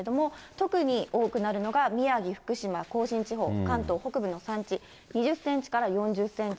特に多くなるのが宮城、福島、甲信地方、関東北部の山地、２０センチから４０センチ。